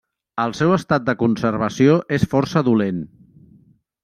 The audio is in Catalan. El seu estat de conservació és força dolent.